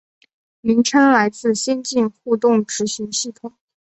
名称来自先进互动执行系统。